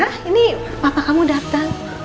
nah ini papa kamu datang